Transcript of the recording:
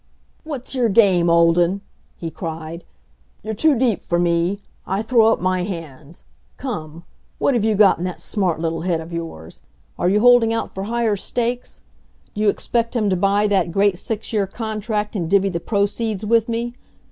"What's your game, Olden?" he cried. "You're too deep for me; I throw up my hands. Come; what've you got in that smart little head of yours? Are you holding out for higher stakes? Do you expect him to buy that great six year contract and divvy the proceeds with me?